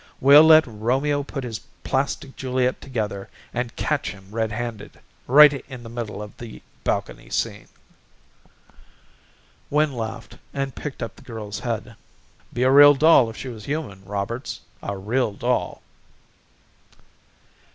We'll let Romeo put his plastic Juliet together and catch him red handed right in the middle of the balcony scene." Wynn laughed and picked up the girl's head. "Be a real doll if she was human, Roberts, a real doll."